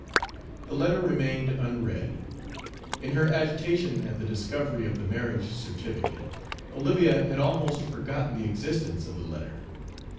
The letter remained unread. In her agitation at the discovery of the marriage certificate, Olivia had almost forgotten the existence of the letter.